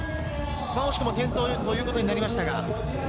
惜しくも転倒ということになりました。